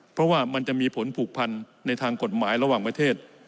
เพราะว่ามันจะมีผลผูกพันในทางกฎหมายระหว่างประเทศ